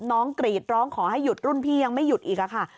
กรีดร้องขอให้หยุดรุ่นพี่ยังไม่หยุดอีกค่ะ